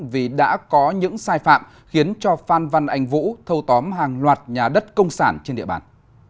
vì đã có những sai phạm khiến cho phan văn anh vũ thâu tóm hàng loạt nhà đất công sản trên địa bàn